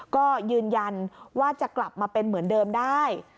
ก็ยืนยันว่าจะกลับมาเป็นเหมือนเดิมได้